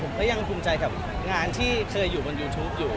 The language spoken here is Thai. ผมก็ยังภูมิใจกับงานที่เคยอยู่บนยูทูปอยู่